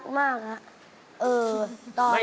กลับมาฟังเพลง